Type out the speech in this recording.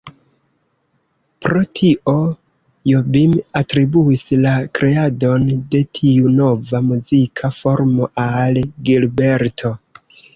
Pro tio, Jobim atribuis la kreadon de tiu nova muzika formo al Gilberto.